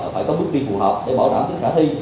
phải có bước đi phù hợp để bảo đảm tính khả thi